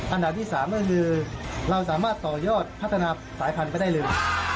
อันดับที่๓ก็คือเราสามารถต่อยอดพัฒนาสายพันธุ์ไปได้เลย